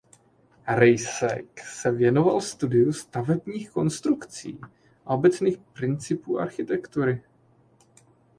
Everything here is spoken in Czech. Rejsek se věnoval studiu stavebních konstrukcí a obecných principů architektury.